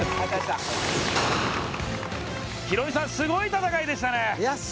ヒロミさん、すごい戦いでしたね。